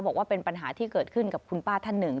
บอกว่าเป็นปัญหาที่เกิดขึ้นกับคุณป้าท่านหนึ่ง